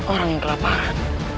orang yang kelaparan